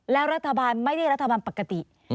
แล้วรัฐบาลไม่ได้รัฐบาลปกติ